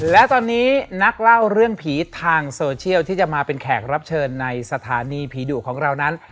และตอนนี้นักเล่าเรื่องผีทางโซเชียลที่จะมาเป็นแขกรับเชิญในสถานีผีดุของเรานั้น